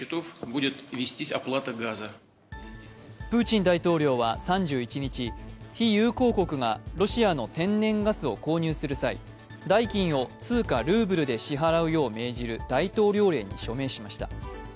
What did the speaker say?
プーチン大統領は３１日非友好国がロシアの天然ガスを購入する際、代金を通貨ルーブルで支払うよう命じる大統領令に署名しました。